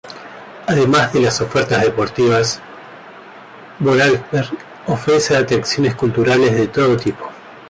Además de las ofertas deportivas, Vorarlberg ofrece atracciones culturales de todo tipo.